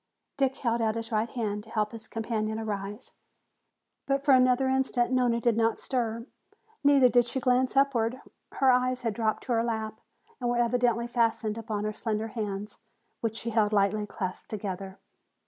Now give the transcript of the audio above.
Dick held out his right hand to help his companion arise. But for another instant Nona did not stir. Neither did she glance upward. Her eyes had dropped to her lap and were evidently fastened upon her slender hands, which she held lightly clasped together.